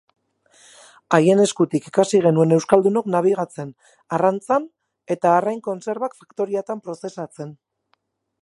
Haien eskutik ikasi genuen euskaldunok nabigatzen, arrantzan eta arrain kontserbak faktoriatan prozesatzen.